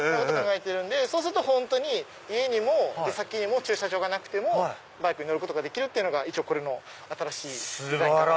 そうすると本当に家にも出先にも駐車場がなくてもバイクに乗ることができるのがこれの新しいデザインかなと。